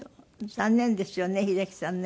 残念ですよね秀樹さんね。